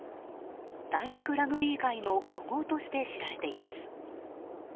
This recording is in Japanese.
大学ラグビー界の古豪として知られています。